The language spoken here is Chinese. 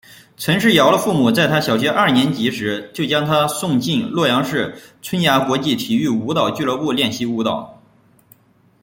陈世瑶的父母在她小学二年级时就将她送进洛阳市春芽国际体育舞蹈俱乐部练习舞蹈。